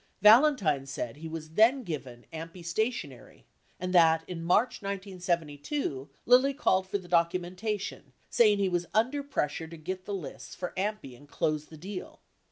52 Valentine says he was then given AMPI stationery and that, in March 1972, Lilly called for the documentation saying he was under pressure to get the lists for AMPI and close the deal.